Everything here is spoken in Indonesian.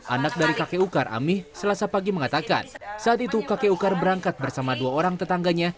anak dari kakek ukar amih selasa pagi mengatakan saat itu kakek ukar berangkat bersama dua orang tetangganya